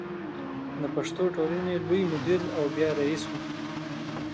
د پښتو ټولنې لوی مدیر او بیا رئیس و.